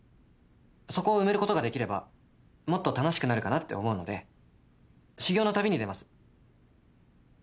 そこを埋めることができればもっと楽しくなるかなって思うので修行の旅に出ます。